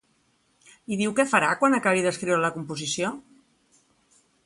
I diu que farà quan acabi d'escriure la composició?